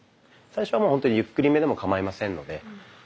最初はもう本当にゆっくりめでもかまいませんので。